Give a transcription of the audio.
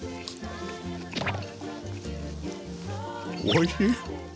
おいしい。